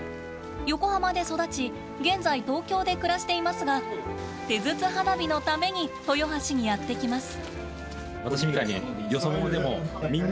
横浜で育ち、現在東京で暮らしていますが手筒花火のために豊橋にやってきます。